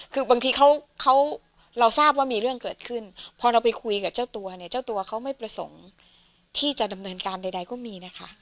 คือบางทีเขาเราทราบว่ามีเรื่องเกิดขึ้นพอเราไปคุยกับเจ้าตัวเนี่ยเจ้าตัวเขาไม่ประสงค์ที่จะดำเนินการใดก็มีนะคะ